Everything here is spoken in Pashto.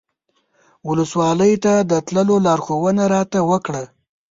ولسوالۍ ته د تللو لارښوونه راته وکړه.